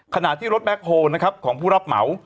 ขณะที่รถแบ็คโฮลนะครับของผู้รับเหมา